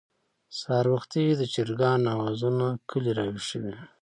سهار وختي د چرګانو اوازونه کلى راويښوي.